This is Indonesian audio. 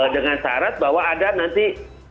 dengan syarat bahwa ada nanti